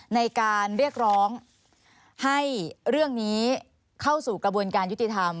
ในการเรียกร้องให้เรื่องนี้เข้าสู่กระบวนการยุติธรรม